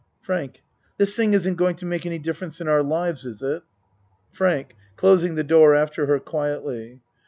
Frank, this thing isn't going to make any difference in our lives, is it? FRANK (Closing the door after her quietly.)